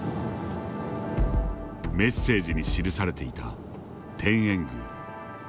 メッセージに記されていた天苑宮。